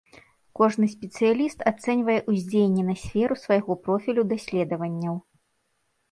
Кожны спецыяліст ацэньвае ўздзеянне на сферу свайго профілю даследаванняў.